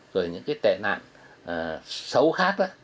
rồi những cái tệ nạn xấu khác